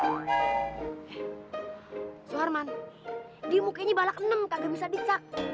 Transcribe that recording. gini di mukinya balak enam kaga bisa dicak